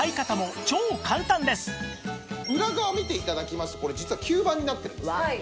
裏側を見て頂きますとこれ実は吸盤になってるんですね。